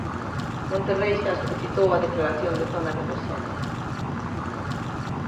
Monterrei xa solicitou a declaración de zona de emerxencia.